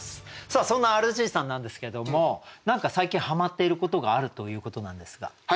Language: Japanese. さあそんなＲＧさんなんですけども何か最近はまっていることがあるということなんですが。